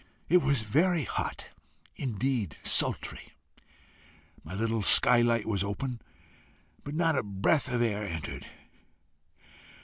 It was very hot indeed sultry. My little skylight was open, but not a breath of air entered.